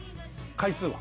回数は。